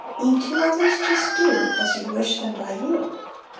E'en to others just do As you'd wish them by you.